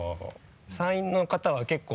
山陰の方は結構。